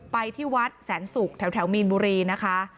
ไปที่วัดแสนศุกร์แถวมีนบุรีนะคะ